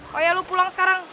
kamu pulang sekarang